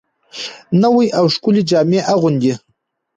نوې او ښکلې جامې اغوندي